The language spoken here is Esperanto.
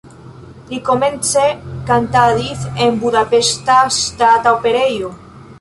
Li komence kantadis en Budapeŝta Ŝtata Operejo.